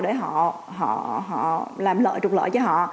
để họ làm lợi trục lợi cho họ